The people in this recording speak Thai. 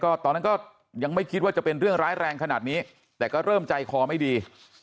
ตอนนั้นก็ยังไม่คิดว่าจะเป็นเรื่องร้ายแรงขนาดนี้แต่ก็เริ่มใจคอไม่ดี